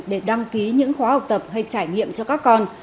để đăng ký những khóa học tập hay trải nghiệm cho các con